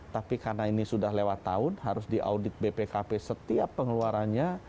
tapi karena ini sudah lewat tahun harus diaudit bpkp setiap pengeluarannya